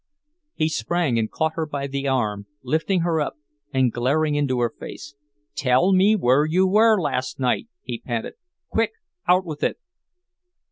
He sprang and caught her by the arm, lifting her up, and glaring into her face. "Tell me where you were last night!" he panted. "Quick, out with it!"